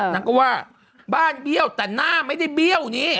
นางก็ว่าบ้านเบี้ยวแต่หน้าไม่ได้เบี้ยวนี่